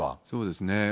そうですね。